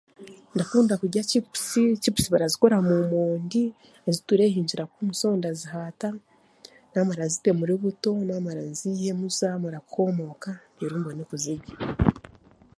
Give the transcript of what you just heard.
Ndakunda kurya chipus, chipus barazikora mu mondi, ezitureehingira kunu so ndazihaata, naamara nzite muri buto, naamara nziihemu zaamara kwomooka. reero mbone kuzirya.